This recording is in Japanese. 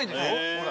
ほら。